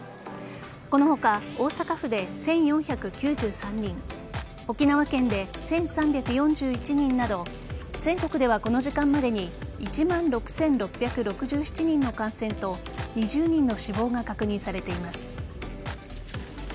この他、大阪府で１４９３人沖縄県で１３４１人など全国ではこの時間までに１万６６６７人の感染と２０人の死亡が確認されています。